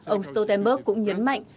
ông stoltenberg cũng nhấn mạnh